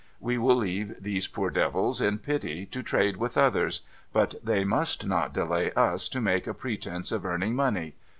We will leave these poor devils, in pity, to trade with others ; but they must not delay us to make a pretence of earning money.